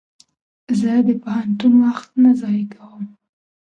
زه د پوهنتون وخت نه ضایع کوم.